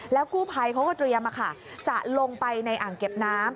กู้ภัยเขาก็เตรียมจะลงไปในอ่างเก็บน้ำ